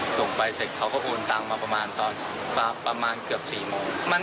ส่งไปเสร็จเขาก็โอนตังมาประมาณเกือบ๔โมง